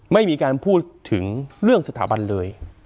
ไม่มีการพูดถึงเรื่องสถาบันเลย